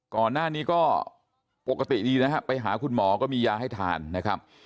ก่อนหน้านี้ก็ปกติดีนะฮะไปหาคุณหมอก็มียาให้ทานนะครับ